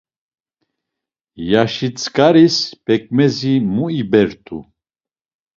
Yaşitzǩaris p̌ekmezi muibert̆u.